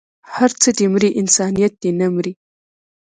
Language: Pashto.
هر څه دې مري انسانيت دې نه مري